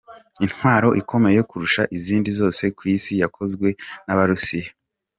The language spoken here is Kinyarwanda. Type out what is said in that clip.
Intwaro ikomeye kurusha izindi zose ku isi, yakozwe n’Abarusiya.